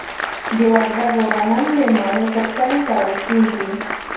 د وردګو غنم د مڼو ترڅنګ کرل کیږي.